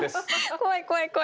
怖い怖い怖い。